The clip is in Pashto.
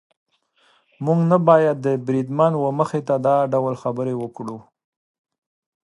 موږ نه باید د بریدمن وه مخې ته دا ډول خبرې وکړو.